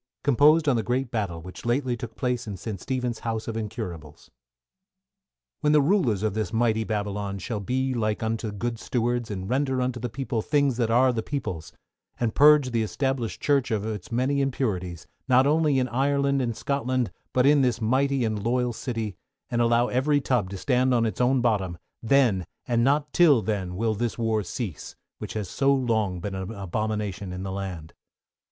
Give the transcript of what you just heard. Composed on the Great Battle which lately took place in St. Stephen's House of Incurables. When the rulers of this mighty Babylon shall be like unto good stewards, and render unto the people, things that are the people's, and purge the Established Church of its many impurities, not only in Ireland and Scotland, but in this mighty and loyal city, and allow every tub to stand on its own bottom, then, and not till then will this war cease, which has so long been an abomination in the land.